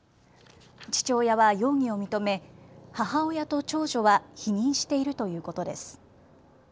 父親は容疑を認め母親と長女は否認しているということです。